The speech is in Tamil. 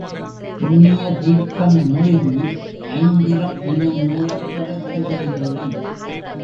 புண்ணிய தீர்த்தம் முழுகி ஐந்திரம் என்னும் நூலைப் பெறத் தேவை இல்லை.